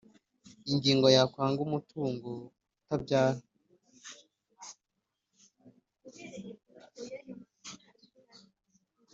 Ingingo ya kwanga umutungo utabyara